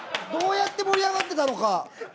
どうやって盛り上がってたのか。